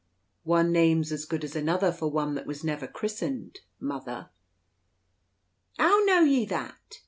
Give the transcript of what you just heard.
"One name's as good as another for one that was never christened, mother." "How know ye that?"